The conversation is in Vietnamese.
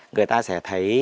người ta sẽ thấy